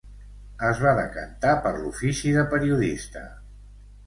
Es va decantar per l’ofici de periodista.